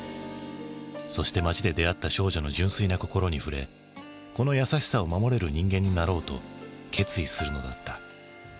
そして街で出会った少女の純粋な心に触れこの優しさを守れる人間になろうと決意するのだった。